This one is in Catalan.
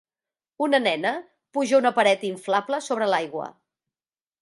Una nena puja una paret inflable sobre l'aigua.